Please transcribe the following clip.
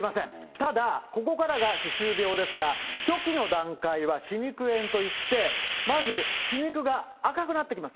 ただ、ここからが歯周病ですが、初期の段階は歯肉炎といって、まず歯肉が赤くなってきます。